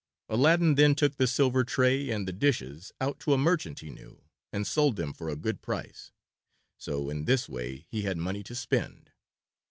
Aladdin then took the silver tray and the dishes out to a merchant he knew and sold them for a good price; so in this way he had money to spend.